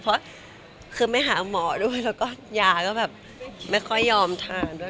เพราะคือไม่หาหมอด้วยแล้วก็ยาก็แบบไม่ค่อยยอมทานด้วย